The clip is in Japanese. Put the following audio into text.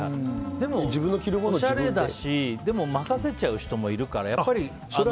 でも、おしゃれだし任せちゃう人もいるからやっぱり。